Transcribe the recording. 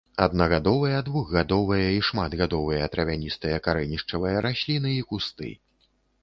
Аднагадовыя, двухгадовыя і шматгадовыя травяністыя карэнішчавыя расліны і кусты.